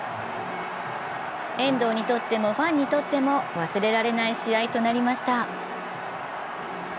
遠藤にとってもファンにとっても忘れられない試合となりました。